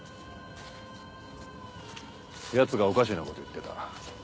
奴がおかしなこと言ってた。